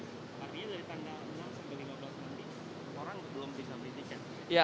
tapi dari tanggal enam hingga lima belas minggu nanti orang belum bisa mendidikan